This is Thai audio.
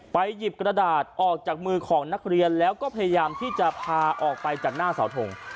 หยิบกระดาษออกจากมือของนักเรียนแล้วก็พยายามที่จะพาออกไปจากหน้าเสาทง